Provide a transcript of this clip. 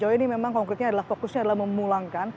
ini memang fokusnya adalah memulangkan